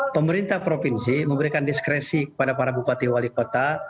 pemerintah provinsi memberikan diskresi kepada para bupati wali kota